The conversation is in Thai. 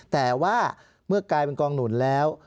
แต่ว่าเมื่อกลายเป็นกองหนุนแล้ว